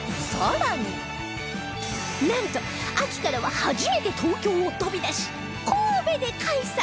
なんと秋からは初めて東京を飛び出し神戸で開催！